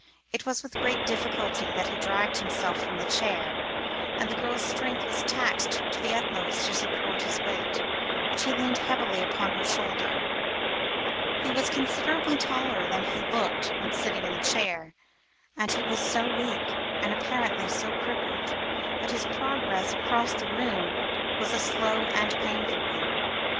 It was with great difficulty that he dragged himself from his chair, and the girl's strength was taxed to the utmost to support his weight, when he leant heavily upon her shoulder. He was considerably taller than he had looked when sitting in the chair; and he was so weak, and apparently so crippled, that his progress across the room was a slow and painful one.